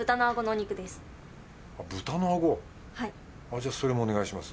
じゃそれもお願いします。